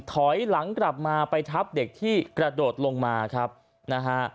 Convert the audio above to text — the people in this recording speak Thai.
ถอยหลังกลับมาไปทับเด็กที่กระโดดลงมาครับนะฮะ